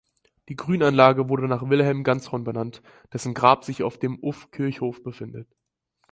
Die Grünanlage wurde nach Wilhelm Ganzhorn benannt, dessen Grab sich auf dem Uff-Kirchhof befindet.